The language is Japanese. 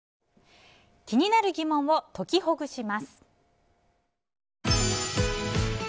気になるギモンを解きほぐします。